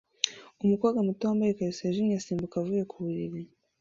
umukobwa muto wambaye ikariso yijimye asimbuka avuye ku buriri